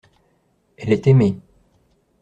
Elle est aimée.